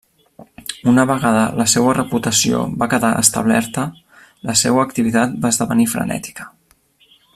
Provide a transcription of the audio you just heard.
Una vegada la seua reputació va quedar establerta, la seua activitat va esdevenir frenètica.